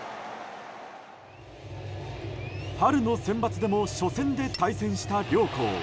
春のセンバツでも初戦で対戦した両校。